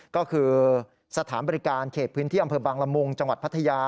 ก็คือสถานบริการเขตพื้นที่อำเภอบางละมุงจังหวัดพัทยา